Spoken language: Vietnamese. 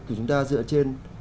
chúng ta dựa trên